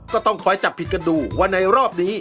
ก็ต้องคอยจับผิดกันดูว่าในรอบนี้